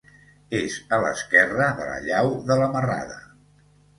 És a l'esquerra de la llau de la Marrada.